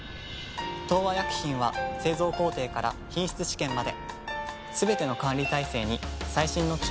東和薬品は製造工程から品質試験まですべての管理体制に最新の機器や技術を導入。